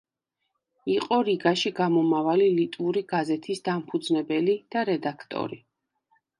იყო რიგაში გამომავალი ლიტვური გაზეთის დამფუძნებელი და რედაქტორი.